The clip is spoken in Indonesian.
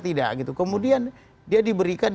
tidak kemudian dia diberikan